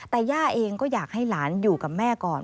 แต่ย่าเองก็อยากให้หลานอยู่กับแม่ก่อน